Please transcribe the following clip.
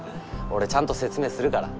俺ちゃんと説明するから。